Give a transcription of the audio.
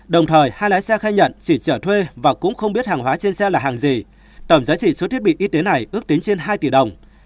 đồng thời hai lái xe khai nhận xỉ trở thuê và cũng không biết hàng hóa trên xe là hàng gì tổng giá trị số thiết bị y tế này ước tính trên hai tỷ đồng